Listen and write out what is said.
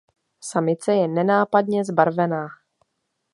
Samice je nenápadně zbarvená.